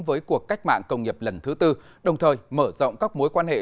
với cuộc cách mạng công nghiệp lần thứ tư đồng thời mở rộng các mối quan hệ